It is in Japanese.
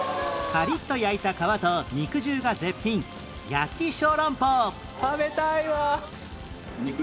パリッと焼いた皮と肉汁が絶品焼小籠包